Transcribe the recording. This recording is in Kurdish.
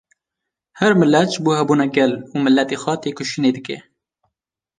Her milet ji bo hebûna gel û miletê xwe têkoşînê dike